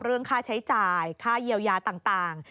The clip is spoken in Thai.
เรื่องค่าใช้จ่ายค่าเยียวยาต่าง